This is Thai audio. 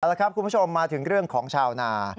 แล้วครับคุณผู้ชมมาถึงเรื่องของชาวนา